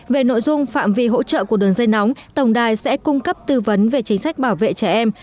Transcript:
về nội dung phạm vi hỗ trợ của đường dây nóng tổng đài sẽ cung cấp tư vấn về chính sách bảo vệ trẻ em